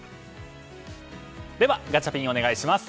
ではガチャピンお願いします。